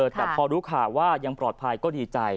แต่พอรู้ข่าวว่ายังปลอดภัยก็ดีใจ